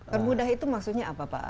permudah itu maksudnya apa pak